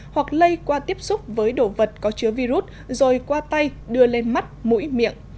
hoặc lây qua tiếp xúc với đồ vật có chứa virus rồi qua tay đưa lên mắt mũi miệng